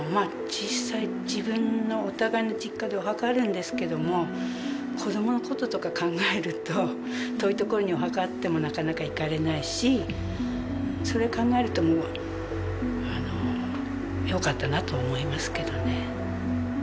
実際自分のお互いの実家でお墓はあるんですけども子どものこととか考えると遠い所にお墓があってもなかなか行かれないしそれを考えるともうよかったなと思いますけどね。